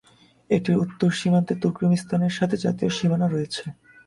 এটির উত্তর সীমান্ত তুর্কমেনিস্তান এর সাথে জাতীয় সীমানা রয়েছে।